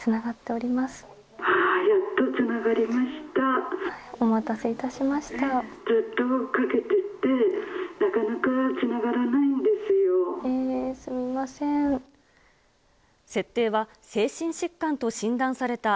お待たせいたしました。